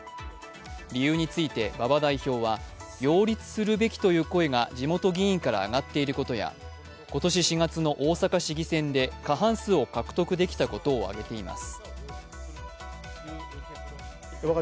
理由について馬場代表は擁立するべきという声が地元議員から上がっていることや今年４月の大阪市議選で過半数を獲得できたことを挙げています。